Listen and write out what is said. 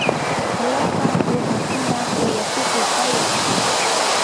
lapan runakuna kuyakuqi kayan.